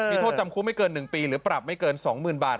มีโทษจำคุกไม่เกิน๑ปีหรือปรับไม่เกิน๒๐๐๐บาท